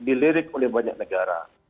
dilirik oleh banyak negara